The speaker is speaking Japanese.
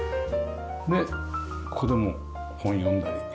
でここでも本読んだり。